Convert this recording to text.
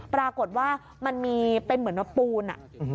ปรากฏว่ามันมีเป็นเหมือนปูน